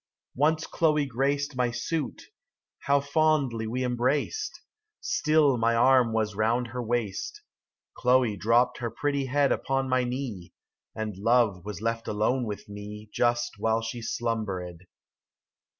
35 Once Chloe graced My suit ; how fondly we embraced ! Still my arm was round her waist : Chloe dropt her pretty head Upon my knee, And Love was left alone with me Just while she slumbered.